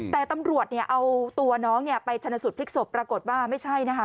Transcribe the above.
แต่ตำรวจเอาตัวน้องไปชนสูตรพลิกศพปรากฏว่าไม่ใช่นะคะ